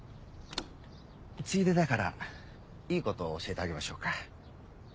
ついでだからいいこと教えてあげましょうか。